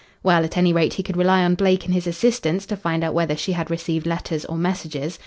Well, at any rate he could rely on Blake and his assistants to find out whether she had received letters or messages.